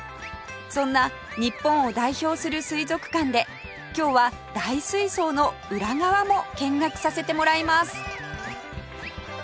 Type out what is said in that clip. そんな日本を代表する水族館で今日は大水槽の裏側も見学させてもらいます